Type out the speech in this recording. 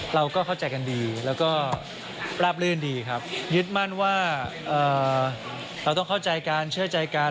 เราก็เข้าใจกันดีแล้วก็ราบลื่นดีครับยึดมั่นว่าเราต้องเข้าใจกันเชื่อใจกัน